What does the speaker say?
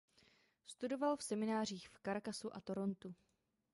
Studoval v seminářích v Caracasu a Torontu.